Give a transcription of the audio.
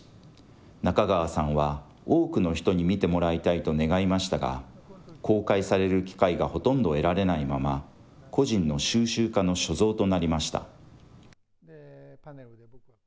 中川さんは多くの人に見てもらいたいと願いましたが、公開される機会がほとんど得られないまま、個人の収集家の所蔵となりました。